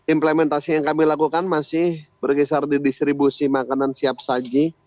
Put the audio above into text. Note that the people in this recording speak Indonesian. implementasi yang kami lakukan masih berkisar di distribusi makanan siap saji